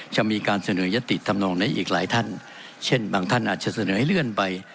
จะมีการเสนอยติธรรมนองในอีกหลายท่านเช่นบางท่านอาจจะเสนอให้เลื่อนไป